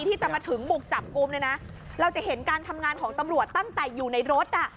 ที่จะมาถึงบุกจับกลุ่มเนี่ยนะเราจะเห็นการทำงานของตำรวจตั้งแต่อยู่ในรถอ่ะ